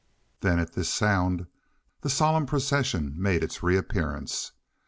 Then, at this sound the solemn procession made its reappearance.